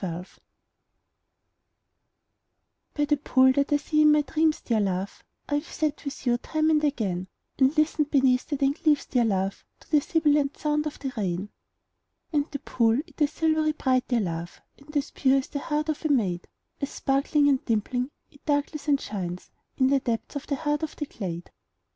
THE POOL By the pool that I see in my dreams, dear love, I have sat with you time and again; And listened beneath the dank leaves, dear love, To the sibilant sound of the rain. And the pool, it is silvery bright, dear love, And as pure as the heart of a maid, As sparkling and dimpling, it darkles and shines In the depths of the heart of the glade.